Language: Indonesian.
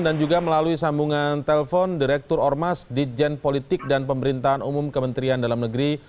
dan juga melalui sambungan telpon direktur ormas dijen politik dan pemerintahan umum kementerian dalam negeri